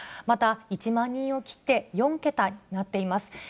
また１万人を切って４桁になっています。